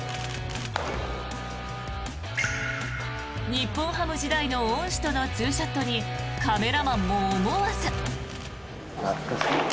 日本ハム時代の恩師とのツーショットにカメラマンも思わず。